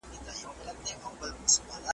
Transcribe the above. د کندهار صنعت کي د پرمختګ فرصتونه څه دي؟